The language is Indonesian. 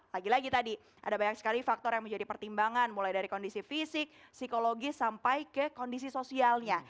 lagi lagi tadi ada banyak sekali faktor yang menjadi pertimbangan mulai dari kondisi fisik psikologis sampai ke kondisi sosialnya